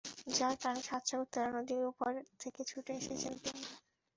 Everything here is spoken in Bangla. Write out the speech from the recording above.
যার টানে সাত সাগর তেরো নদীর ওপার থেকে ছুটে এসেছেন তিনি।